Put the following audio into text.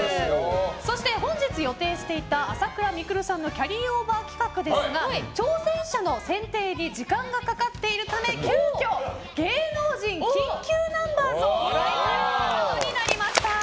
そして、本日予定していた朝倉未来さんのキャリーオーバー企画ですが挑戦者の選定に時間がかかっているため急きょ、芸能人緊急ナンバーズを開催することになりました。